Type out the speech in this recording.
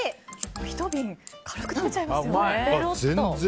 １瓶、軽く食べちゃいますよね。